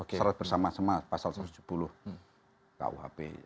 secara bersama sama pasal satu ratus tujuh puluh kuhp